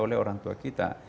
oleh orang tua kita